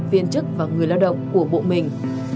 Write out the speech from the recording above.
viên chức và người lao động của bộ mình